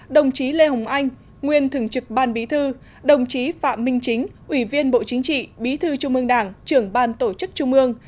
đồng chí lê hồng anh nguyên thường trực ban bí thư đồng chí phạm minh chính ủy viên bộ chính trị bí thư trung ương đảng trưởng ban tổ chức trung ương